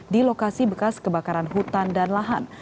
di lokasi bekas kebakaran hutan dan lahan